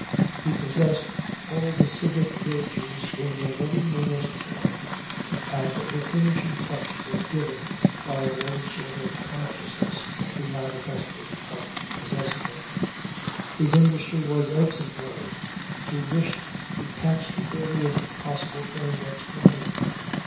He possessed all the civic virtues in their very meanest form, and the finishing touch was given by a low sort of consciousness he manifested of possessing them. His industry was exemplary. He wished to catch the earliest possible train next morning.